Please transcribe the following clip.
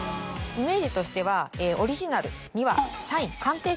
イメージとしてはオリジナルにはサイン。